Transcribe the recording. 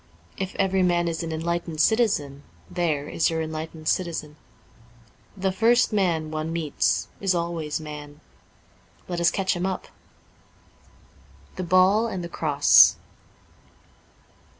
If every man is an enlightened citizen, there is your enlightened citizen. The first man one meets is always man. Let us catch him up.' * The Ball and the Cross.